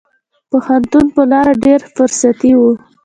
پوهنتون په لار ډېره فرصتي وه.